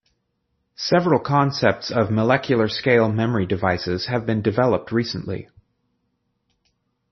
Several concepts of molecular-scale memory devices have been developed recently.